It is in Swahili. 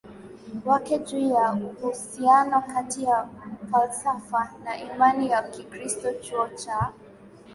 wake juu ya uhusiano kati ya falsafa na imani ya Kikristo Chuo cha